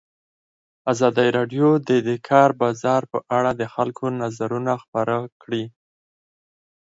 ازادي راډیو د د کار بازار په اړه د خلکو نظرونه خپاره کړي.